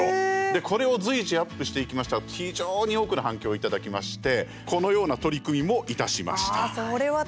で、これを随時アップしていきましたら非常に多くの反響いただきましてこのような取り組みもいたしました。